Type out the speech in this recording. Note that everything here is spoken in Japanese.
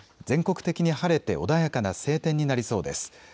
全国的に晴れて穏やかな晴天になりそうです。